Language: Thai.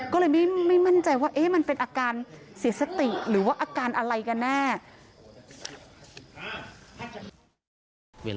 ก็เลยไม่มั่นใจว่ามันเป็นอาการเสียสติหรือว่าอาการอะไรกันแน่